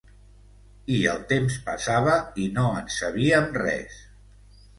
I el temps passava i no en sabíem res.